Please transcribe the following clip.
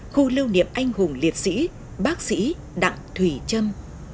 khu lưu niệm anh hùng liệt sĩ bác sĩ đặng thùy trâm